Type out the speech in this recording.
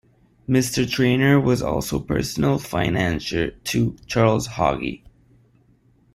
Mr. Traynor was also personal financier to Charles Haughey.